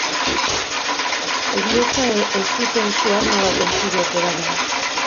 Heriotza ez zuten su-arma baten tiroek eragin.